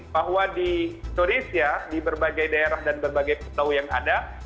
bahwa di indonesia di berbagai daerah dan berbagai pulau yang ada